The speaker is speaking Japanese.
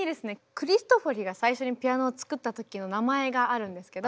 クリストフォリが最初にピアノを作った時の名前があるんですけど。